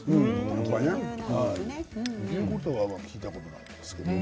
ヨーグルトは聞いたことないですけど。